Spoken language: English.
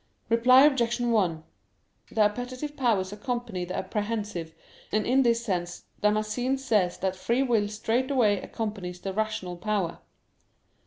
Reply Obj. 1: The appetitive powers accompany the apprehensive, and in this sense Damascene says that free will straightway accompanies the rational power.